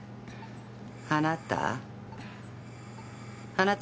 あなた。